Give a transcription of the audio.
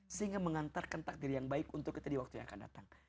sehingga mengantarkan takdir yang baik untuk kita di waktu yang akan datang